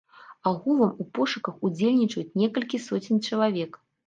Агулам у пошуках удзельнічаюць некалькі соцень чалавек.